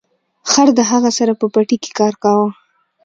خر د هغه سره په پټي کې کار کاوه.